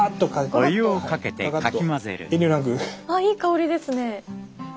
あっいい香りですね。